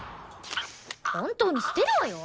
本当に捨てるわよ？